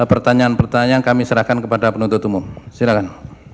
pertanyaan pertanyaan kami serahkan kepada penuntut umum silahkan